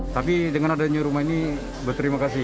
tapi dengan adanya rumah ini berterima kasih